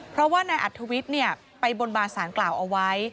เพราะว่านายอัธวิทย์ไปบนบานสารกล่าวเอาไว้